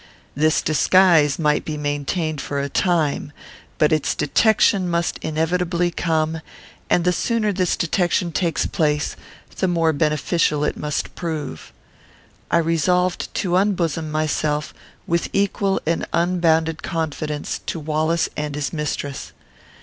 This disguise might be maintained for a time, but its detection must inevitably come, and the sooner this detection takes place the more beneficial it must prove. I resolved to unbosom myself, with equal and unbounded confidence, to Wallace and his mistress.